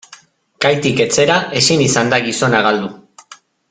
Kaitik etxera ezin izan da gizona galdu.